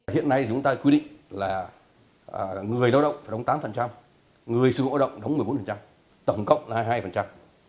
hiện nay chúng ta quy định là người lao động phải đóng tám người sử dụng lao động đóng một mươi bốn tổng cộng là hai mươi hai